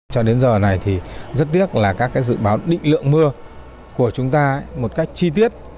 cho đến giờ này thì rất tiếc là các dự báo định lượng mưa của chúng ta một cách chi tiết